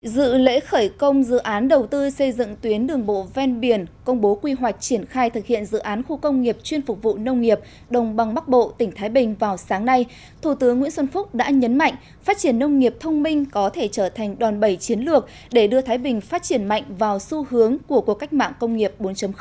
dự lễ khởi công dự án đầu tư xây dựng tuyến đường bộ ven biển công bố quy hoạch triển khai thực hiện dự án khu công nghiệp chuyên phục vụ nông nghiệp đồng băng bắc bộ tỉnh thái bình vào sáng nay thủ tướng nguyễn xuân phúc đã nhấn mạnh phát triển nông nghiệp thông minh có thể trở thành đòn bẩy chiến lược để đưa thái bình phát triển mạnh vào xu hướng của cuộc cách mạng công nghiệp bốn